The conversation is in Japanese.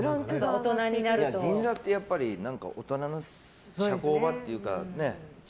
銀座ってやっぱり大人の社交場っていうかね。